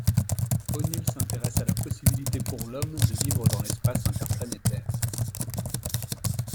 O'Neill s'intéresse à la possibilité pour l'homme de vivre dans l'espace interplanétaire.